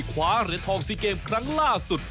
คว้าเหรียญทองซีเกมครั้งล่าสุด